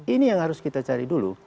ini yang harus kita cari dulu